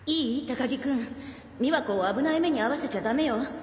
高木君美和子を危ない目に遭わせちゃダメよ